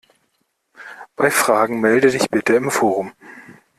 Bei Fragen melde dich bitte im Forum!